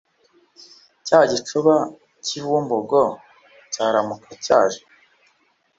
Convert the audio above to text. Cya gicuba k’i Bumbogo cyaramuka cyaje